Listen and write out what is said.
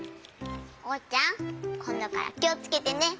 おうちゃんこんどからきをつけてね。